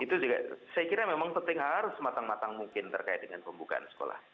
itu juga saya kira memang penting harus matang matang mungkin terkait dengan pembukaan sekolah